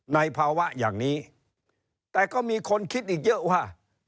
ในภาวะอย่างนี้แต่ก็มีคนคิดอีกเยอะว่า